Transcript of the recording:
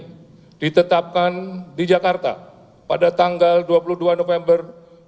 yang diketatkan di jakarta pada dua puluh dua november dua ribu delapan belas